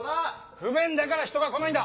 不便だから人が来ないんだ！